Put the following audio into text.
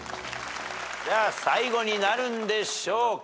では最後になるんでしょうか。